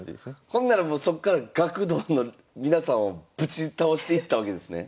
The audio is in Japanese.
ほんならもうそっから学童の皆さんをぶち倒していったわけですね？